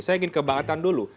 saya ingin ke bang adnan dulu